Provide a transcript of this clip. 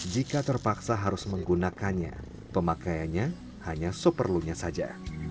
jika terpaksa harus menggunakannya pemakaiannya hanya seperlunya saja